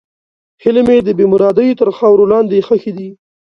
هیلې مې د بېمرادۍ تر خاورو لاندې ښخې دي.